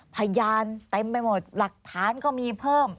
พยานเต็มไปหมดหลักฐานก็มีเพิ่ม